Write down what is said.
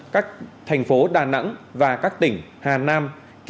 các thành phố đà nẵng và các tỉnh hà nam